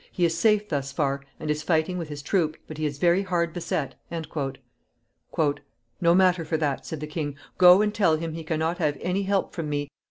"He is safe thus far, and is fighting with his troop, but he is very hard beset." "No matter for that," said the king. "Go and tell him he can not have any help from me.